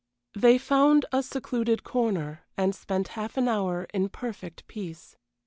They found a secluded corner, and spent half an hour in perfect peace.